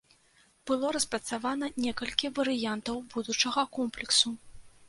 Было распрацавана некалькі варыянтаў будучага комплексу.